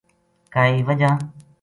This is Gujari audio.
کائے وجہ